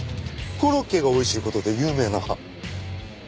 コロッケが美味しい事で有名な。